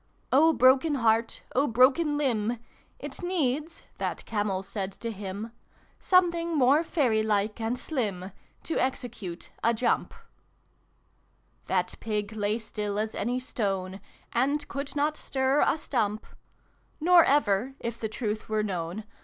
" O broken heart ! O broken limb ! ft needs" that Camel said to him, " Something more fairy like and slim, To execute a jump !" That Pig lay still as any stone, A nd could not stir a stump : Nor ever, if the trutJi were known, xxiii] THE PIG TALE.